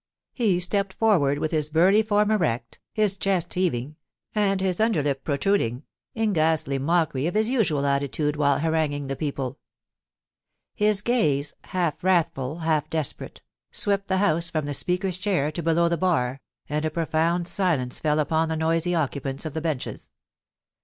He stepped forward with his burly form erect, hk chest heaving, and his under lip protruding, in ghastlj mockery of his usual attitude while haranguing the pco^dfi. His gaze, half wrathful, half desperate, swept the HcHee from the Speaker's chair to below the bar, and a profound silence fell upon the noisy occupants of the benches.